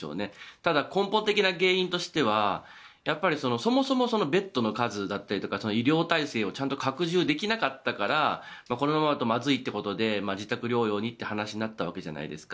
ただ、根本的な原因としてはそもそもベッドの数だったりとか医療体制をちゃんと拡充できなかったからこのままだとまずいということで自宅療養にという話になったわけじゃないですか。